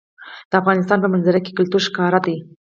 د افغانستان په منظره کې کلتور ښکاره ده.